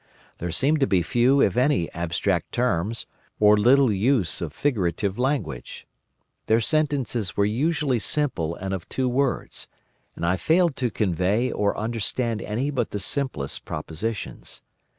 There seemed to be few, if any, abstract terms, or little use of figurative language. Their sentences were usually simple and of two words, and I failed to convey or understand any but the simplest propositions.